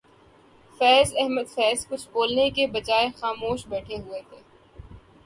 فیض احمد فیض کچھ بولنے کی بجائے خاموش بیٹھے ہوئے تھے